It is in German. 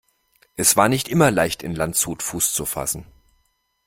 Es war nicht immer leicht, in Landshut Fuß zu fassen.